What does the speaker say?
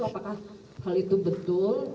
apakah hal itu betul